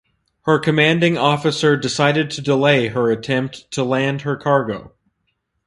Her commanding officer decided to delay her attempt to land her cargo.